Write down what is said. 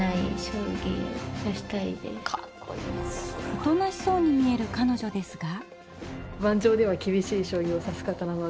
おとなしそうに見えるかのじょですが。